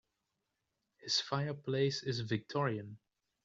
This fireplace is victorian.